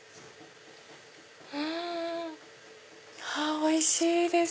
おいしいです。